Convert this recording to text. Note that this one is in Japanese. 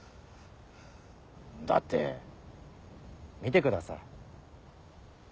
だって見てください。